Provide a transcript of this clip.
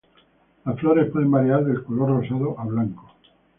Las flores pueden variar del color rosado a blanco.